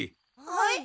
はい？